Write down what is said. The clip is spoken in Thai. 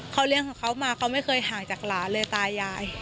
เขาเลี้ยงของเขามาเขาไม่เคยห่างจากหลานเลยตายาย